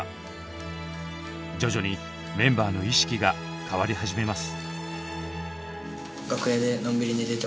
徐々にメンバーの意識が変わり始めます。